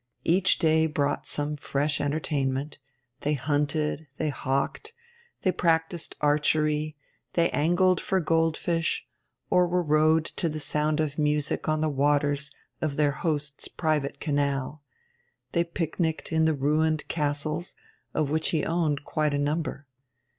Each day brought some fresh entertainment: they hunted, they hawked, they practised archery, they angled for gold fish, or were rowed to the sound of music on the waters of their host's private canal, they picnicked in the ruined castles, of which he owned quite a number.